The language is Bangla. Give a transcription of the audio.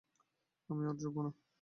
আমি ওঁর যোগ্য না।